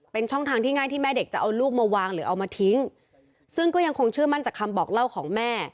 เป็นช่องทางที่ง่ายที่แม่เด็กจะเอาลูกมาวางหรือเอามาทิ้งซึ่งก็ยังคงเชื่อมั่นจากคำบอกเล่าของแม่